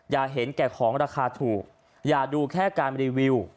แต่ของราคาถูกอย่าดูแค่การรีวิว